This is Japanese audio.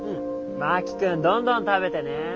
真木君どんどん食べてね。